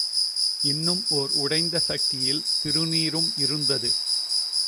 இன்னும் ஓர் உடைந்த சட்டியில் திருநீறும் இருந்தது.